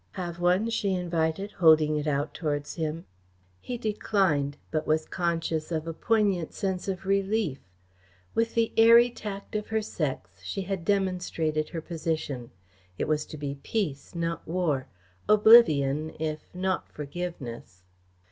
"Have one?" she invited, holding it out towards him. He declined, but was conscious of a poignant sense of relief. With the airy tact of her sex she had demonstrated her position. It was to be peace, not war; oblivion, if not forgiveness.